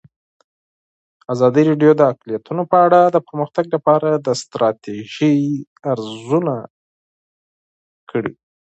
ازادي راډیو د اقلیتونه په اړه د پرمختګ لپاره د ستراتیژۍ ارزونه کړې.